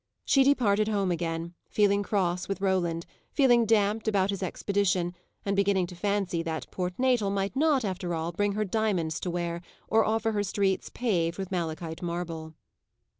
She departed home again, feeling cross with Roland, feeling damped about his expedition, and beginning to fancy that Port Natal might not, after all, bring her diamonds to wear, or offer her streets paved with malachite marble.